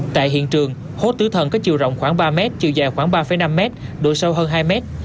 tại hiện trường hố tử thần có chiều rộng khoảng ba mét chiều dài khoảng ba năm mét độ sâu hơn hai mét